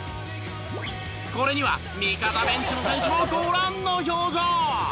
これには味方ベンチの選手もご覧の表情。